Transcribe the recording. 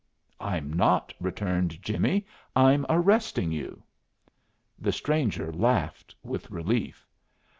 "I'm not," returned Jimmie, "I'm arresting you!" The stranger laughed with relief.